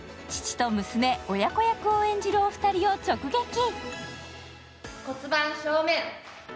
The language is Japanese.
父と娘、親子役を演じるお二人を直撃。